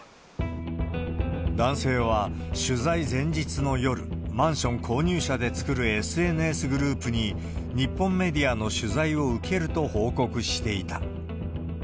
男性は取材前日の夜、マンション購入者で作るＳＮＳグループに、日本メディアの取材を受けると報告していた。